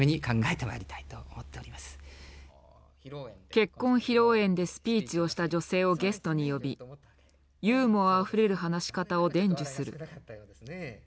結婚披露宴でスピーチをした女性をゲストに呼びユーモアあふれる話し方を伝授する。